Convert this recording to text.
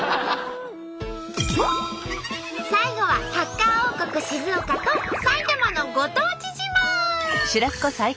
最後はサッカー王国静岡と埼玉のご当地自慢！